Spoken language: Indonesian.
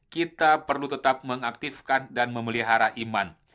harus diaktifkan dan memelihara iman